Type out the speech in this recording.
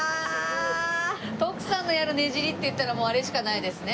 徳さんのやるねじりって言ったらもうあれしかないですね。